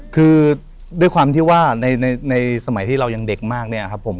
คือด้วยความที่ว่าในสมัยที่เรายังเด็กมากเนี่ยครับผม